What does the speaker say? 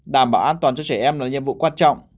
đảm bảo an toàn cho trẻ em là nhiệm vụ quan trọng